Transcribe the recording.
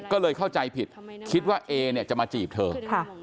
ก็เลยเข้าใจผิดคิดว่าเอเนี่ยจะมาจีบเธอ